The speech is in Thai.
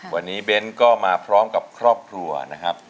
วันนี้เบ้นก็มาพร้อมกับครอบครัวนะครับ